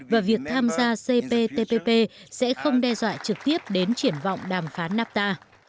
và việc tham gia cptpp sẽ không đe dọa trực tiếp đến triển vọng đàm phán nafta